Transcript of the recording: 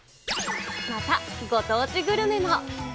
また、ご当地グルメも。